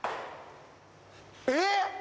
えっ